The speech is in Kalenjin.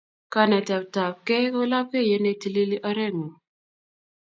Kanetetapkei ko lapkeiyet ne itilili orengung